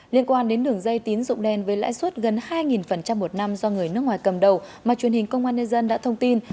liên quan đến đường dây tín dụng đen với lãi suất gần hai một năm do người nước ngoài cầm đầu mà truyền hình công an nhân dân đã thông tin